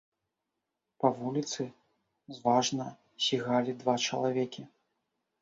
Па вуліцы зважна сігалі два чалавекі.